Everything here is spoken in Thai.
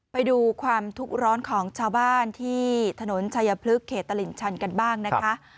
ไปดูความทุกข์ร้อนของชาวบ้านที่ถนนชายพลึกเขตตลิ่งชันกันบ้างนะคะ